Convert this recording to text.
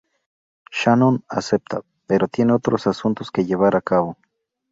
Shannon acepta, pero tiene otros asuntos que llevar a cabo.